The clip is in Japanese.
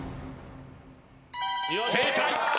正解。